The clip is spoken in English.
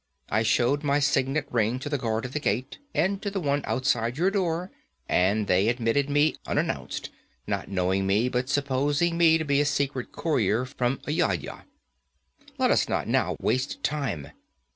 'I showed my signet ring to the guard at the gate, and to the one outside your door, and they admitted me unannounced, not knowing me, but supposing me to be a secret courier from Ayodhya. Let us not now waste time.